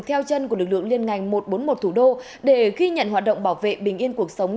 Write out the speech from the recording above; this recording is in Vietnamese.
theo chân của lực lượng liên ngành một trăm bốn mươi một thủ đô để ghi nhận hoạt động bảo vệ bình yên cuộc sống